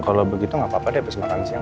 kalo begitu gak apa apa deh abis makan siang